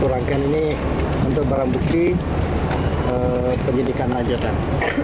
dua puluh rangkaian ini untuk barang bukti penyelidikan manjatan